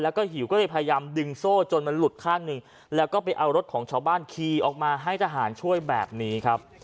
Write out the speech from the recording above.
แล้วก็หิวก็เลยพยายามดึงโซ่จนมันหลุดข้างหนึ่งแล้วก็ไปเอารถของชาวบ้านขี่ออกมาให้ทหารช่วยแบบนี้ครับ